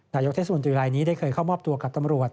นายกเทศมนตรีรายนี้ได้เคยเข้ามอบตัวกับตำรวจ